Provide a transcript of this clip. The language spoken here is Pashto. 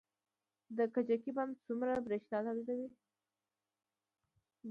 د کجکي بند څومره بریښنا تولیدوي؟